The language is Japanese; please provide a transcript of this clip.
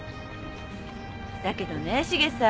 だけどねシゲさん。